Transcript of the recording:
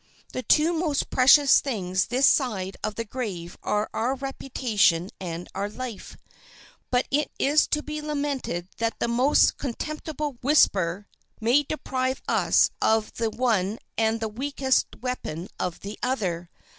The two most precious things this side the grave are our reputation and our life. But it is to be lamented that the most contemptible whisper may deprive us of the one and the weakest weapon of the other.